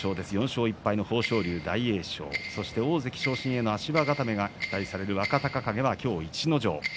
４勝１敗の豊昇龍、大栄翔大関昇進への足場固めが期待される若隆景が今日は逸ノ城です。